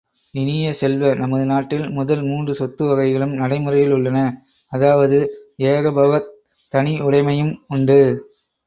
இனிய செல்வ, நமது நாட்டில் முதல் மூன்று சொத்து வகைகளும் நடைமுறையில் உள்ளன., அதாவது, ஏகபோகத் தனியுடைமையும் உண்டு.